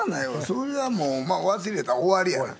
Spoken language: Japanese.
それはもう忘れたら終わりやな。